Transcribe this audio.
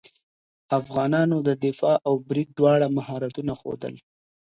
افغانانو د دفاع او برید دواړه مهارتونه ښودل.